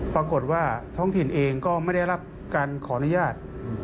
ปรากฏว่าท้องถิ่นเองก็ไม่ได้รับการขออนุญาต